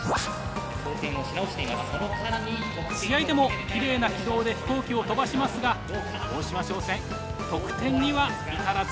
試合でもきれいな軌道で飛行機を飛ばしますが大島商船得点には至らず。